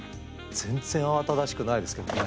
全然慌ただしくないですけどね。